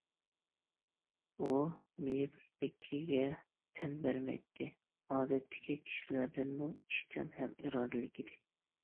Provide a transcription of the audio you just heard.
ئۇ مېيىپلىكىگە تەن بەرمەيتتى، ئادەتتىكى كىشىلەردىنمۇ ئىشچان ھەم ئىرادىلىك ئىدى.